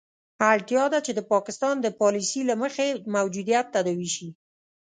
اړتیا ده چې د پاکستان د پالیسي له مخې موجودیت تداوي شي.